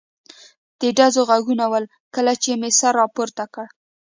د ډزو غږونه و، کله چې مې سر را پورته کړ.